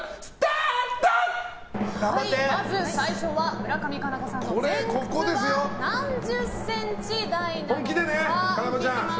まず最初は村上佳菜子さんの前屈は何十センチ台なのか。